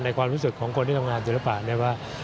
ความรู้สึกของคนที่ทำงานศิลปะเนี่ยว่า